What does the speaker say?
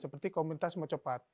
seperti komunitas macopat